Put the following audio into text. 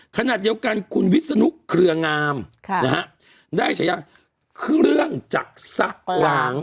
ถนัดเดียวกันคุณวิศนุคเรืองามได้ฉายาคือเรื่องจากสักหลาง